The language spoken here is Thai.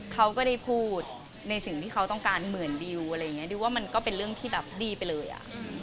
เขาก็ได้พูดในสิ่งที่เขาต้องการเหมือนดิวอะไรอย่างนี้ดิวว่ามันก็เป็นเรื่องที่แบบดีไปเลยอ่ะ